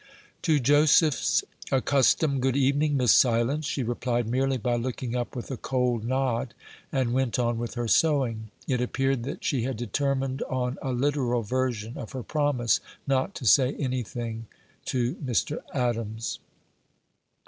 To Joseph's accustomed "Good evening, Miss Silence," she replied merely by looking up with a cold nod, and went on with her sewing. It appeared that she had determined on a literal version of her promise not to say any thing to Mr. Adams.